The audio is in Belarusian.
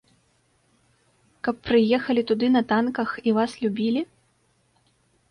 Каб прыехалі туды на танках і вас любілі?